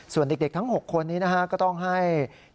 ส่วนเด็กทั้ง๖คนนี้นะฮะก็ต้องให้